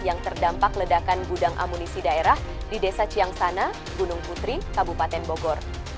yang terdampak ledakan gudang amunisi daerah di desa ciangsana gunung putri kabupaten bogor